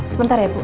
sebentar ya bu